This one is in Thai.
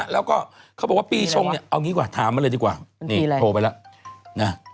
เดี๋ยวว่าปีชงเนี่ยเอางี้กว่าถามมาเลยดีกว่าโทรไปแล้วเป็นปีอะไร